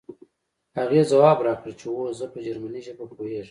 هغې ځواب راکړ چې هو زه په جرمني ژبه پوهېږم